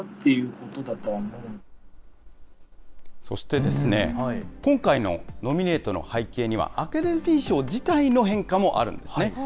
そして、今回のノミネートの背景には、アカデミー賞自体の変化もあるんですね。